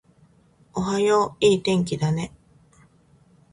おはよう、いい天気だね